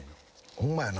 ホンマやな。